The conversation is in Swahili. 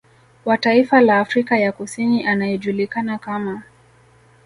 Wa taifa la Afrika ya Kusini anayejulikana kama